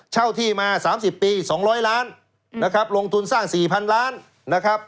เช่าที่มา๓๐ปี๒๐๐ล้านลงทุนสร้าง๔๐๐๐ล้าน